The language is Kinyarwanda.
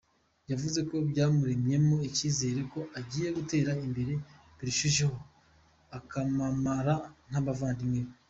Yavuze ko byamuremyemo icyizere ko agiye gutera imbere birushijeho akamamara nk’abavandimwe be.